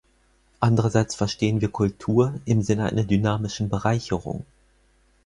Andererseits verstehen wir Kultur im Sinne einer dynamischen Bereicherung.